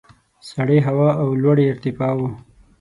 سړې هوا او لوړې ارتفاع وو.